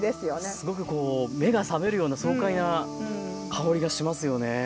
すごく目が覚めるような爽快な香りがしますよね。